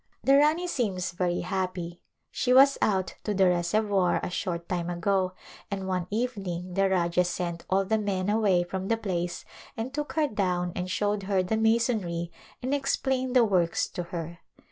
The Rani seems very happy. She was out to the reservoir a short time ago, and one evening the Rajah sent all the men away from the place and took her down and showed her the masonry and explained the works to her.